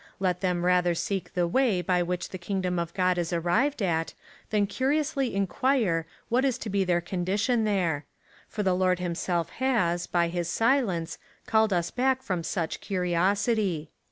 Let them rather seek the way by which the kingdom of God is arrived at, than curiously inquire, what is to be our condition there ; for the Lord himself has, by his silence, called us back from such curiosity.